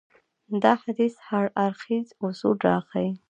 دا حديث هر اړخيز اصول راته ښيي.